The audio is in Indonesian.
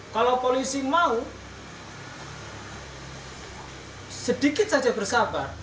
kalau polisi mau sedikit saja bersabar